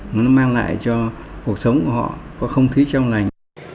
nó mang lại cho cuộc sống của họ có không thí trong lành